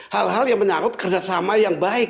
hal hal yang menyangkut kerjasama yang baik